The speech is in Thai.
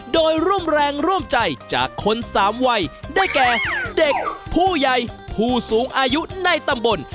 โดยร่วมแรงร่วมใจจากคนสามวัยได้แก่เด็กผู้ใหญ่ผู้สูงอายุในตำบล